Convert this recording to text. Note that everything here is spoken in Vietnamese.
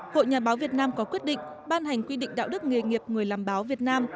hội nhà báo việt nam có quyết định ban hành quy định đạo đức nghề nghiệp người làm báo việt nam